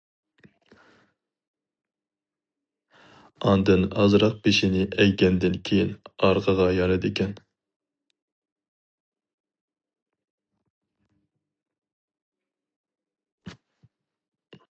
ئاندىن ئازراق بېشىنى ئەگكەندىن كېيىن ئارقىغا يانىدىكەن.